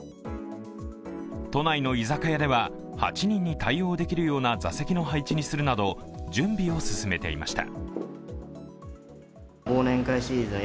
都内の居酒屋では８人に対応できるような座席の配置にするなど、準備を進めていました。